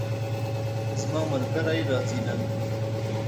زما ملګری راځي نن